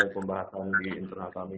pembahasan di internal kami